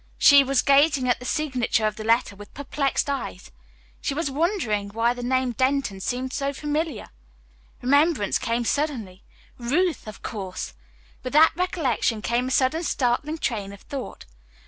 She was gazing at the signature of the letter with perplexed eyes. She was wondering why the name Denton seemed so familiar. Remembrance came suddenly Ruth, of course. With that recollection came a sudden startling train of thought.